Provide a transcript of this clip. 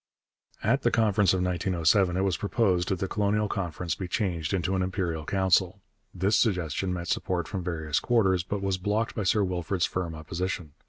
At the Conference of 1907 it was proposed that the Colonial Conference be changed into an Imperial Council. This suggestion met support from various quarters, but was blocked by Sir Wilfrid's firm opposition.